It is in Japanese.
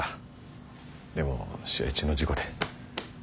でも試合中の事故で。